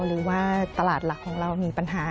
หรือว่าตลาดหลักของเรามีปัญหา